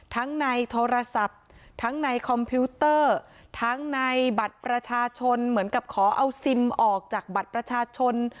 ทั้งในโทรศัพท์ทั้งในคอมพิวเตอร์ทั้งในบัตรประชาชนเหมือนกับขอเอาซิมออกจากบัตรประชาชน